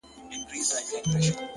ځه پرېږده وخته نور به مي راويښ کړم ،